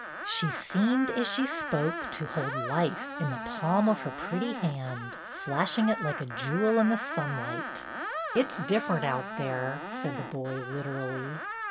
She seemed, as she spoke, to hold Life in the palm of her pretty hand, flashing it like a jewel in the sunlight. '' It 's different out there," said the boy, literally.